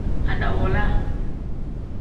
Adawula.